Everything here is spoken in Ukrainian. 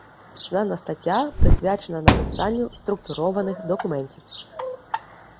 Дана стаття присвячена написанню структурованих документів.